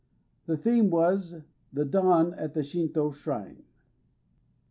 The theme was : "The Dawn at the Shinto Shrine".